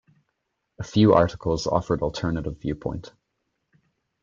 A few articles offered alternative viewpoint.